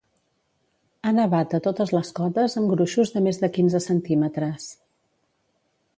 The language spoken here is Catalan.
Ha nevat a totes les cotes amb gruixos de més de quinze centímetres.